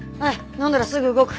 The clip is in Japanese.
飲んだらすぐ動く。